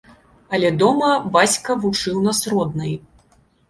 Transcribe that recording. Але дома бацька вучыў нас роднай.